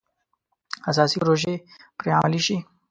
اساسي پروژې پرې عملي شي.